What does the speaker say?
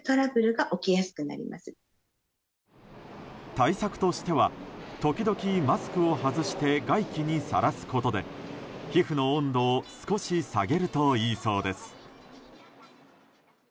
対策としては時々、マスクを外して外気にさらすことで皮膚の温度を少し下げるといいそうです。